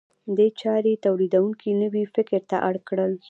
دې چارې تولیدونکي نوي فکر ته اړ کړل.